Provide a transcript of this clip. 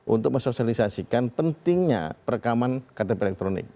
untuk mensosialisasikan pentingnya perekaman ktp elektronik